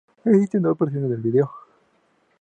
Existen dos versiones del vídeo.